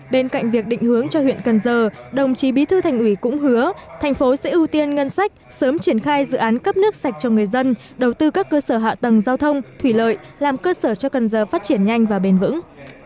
bên cạnh việc định hướng cho huyện cần giờ đồng chí bí thư thành ủy cũng hứa thành phố sẽ ưu tiên ngân sách sớm triển khai dự án cấp nước sạch cho người dân đầu tư các cơ sở hạ tầng giao thông thủy lợi làm cơ sở cho cần giờ phát triển nhanh và bền vững